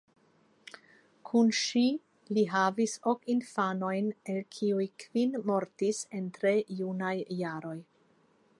Kun ŝi li havis ok infanojn el kiuj kvin mortis en tre junaj jaroj.